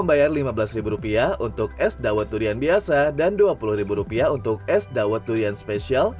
membayar lima belas rupiah untuk es dawet durian biasa dan dua puluh rupiah untuk es dawet durian spesial